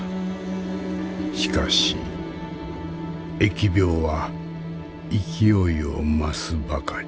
しかし疫病は勢いを増すばかり。